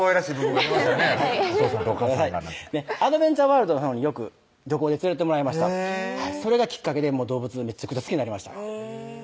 アドベンチャーワールドのほうによく旅行で連れてってもらいましたそれがきっかけで動物めちゃくちゃ好きになりました